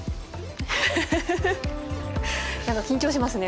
なんか緊張しますね。